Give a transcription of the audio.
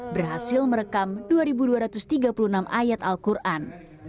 berhasil merekam dua dua ratus tiga puluh enam ayat al quran